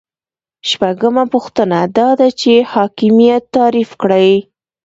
شپږمه پوښتنه دا ده چې حاکمیت تعریف کړئ.